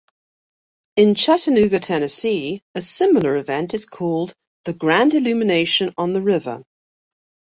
In Chattanooga, Tennessee, a similar event is called the Grand Illumination On The River.